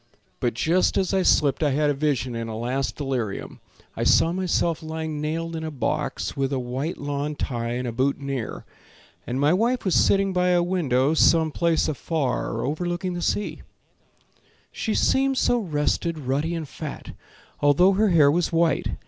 But just as I slipped I had a vision In a last delirium: I saw myself lying nailed in a box With a white lawn tie and a boutonnière, And my wife was sitting by a window Some place afar overlooking the sea; She seemed so rested, ruddy and fat, Although her hair was white.